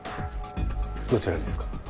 どちらですか？